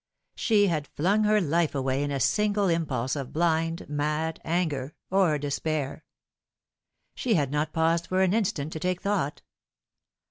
She had flung her life away in a single impulse of blind, mad anger or despair. She had not paused for an instant to taku thought.